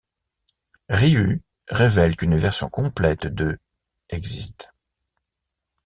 Ryu révèle qu'une version complète de ' existe.